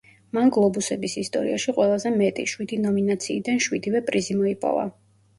მან გლობუსების ისტორიაში ყველაზე მეტი, შვიდი ნომინაციიდან შვიდივე პრიზი მოიპოვა.